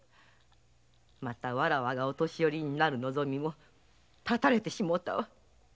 またわらわが御年寄になる望みも断たれてしもうた。